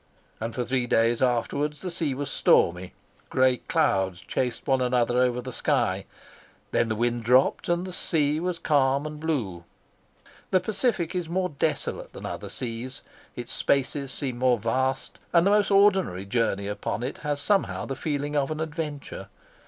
And for three days afterwards the sea was stormy. Gray clouds chased one another across the sky. Then the wind dropped, and the sea was calm and blue. The Pacific is more desolate than other seas; its spaces seem more vast, and the most ordinary journey upon it has somehow the feeling of an adventure.